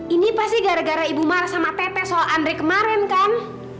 ini pasti gara gara ibu marah sama tete soal andri kemarin kan